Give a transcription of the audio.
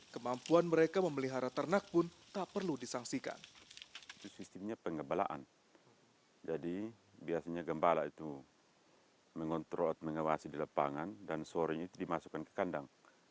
kemampuan mereka memelihara ternak pun tak perlu disangsikan